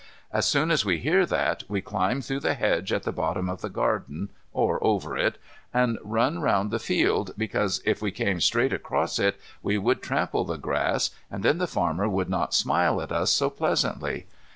As soon as we hear that, we climb through the hedge at the bottom of the garden or over it, and run round the field, because if we came straight across it, we should trample the grass, and then the farmer would not smile at us so pleasantly.